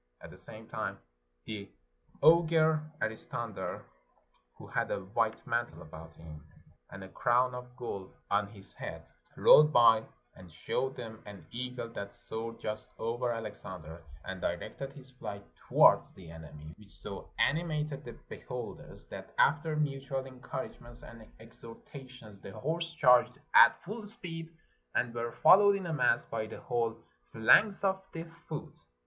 At the same time the augur Aristander, who had a white mantle about him, 373 PERSIA and a crown of gold on his head, rode by and showed them an eagle that soared just over Alexander, and directed his flight towards the enemy; which so ani mated the beholders, that after mutual encouragements and exhortations, the horse charged at full speed, and were followed in a mass by the whole phalanx of the foot.